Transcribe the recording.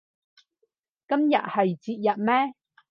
今日係節日咩